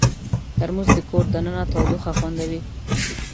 ترموز د کور دننه تودوخه خوندوي.